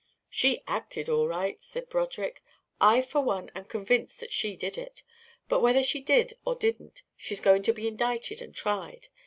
"She acted, all right," said Broderick. "I for one am convinced that she did it. But whether she did or didn't, she's got to be indicted and tried.